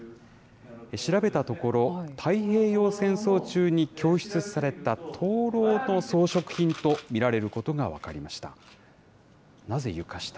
調べたところ、太平洋戦争中に供出された灯籠の装飾品と見られることが分かりました。